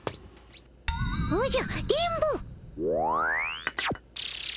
おじゃ電ボ！